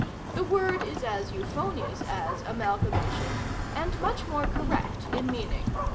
The word is as euphonious as "amalgamation," and much more correct in meaning.